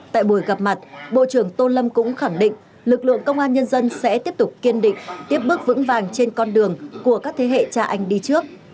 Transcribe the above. tại buổi gặp mặt bộ trưởng tô lâm cũng khẳng định lực lượng công an nhân dân sẽ tiếp tục kiên định tiếp bước vững vàng trên con đường của các thế hệ cha anh đi trước